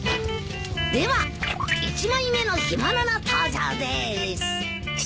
では１枚目の干物の登場です。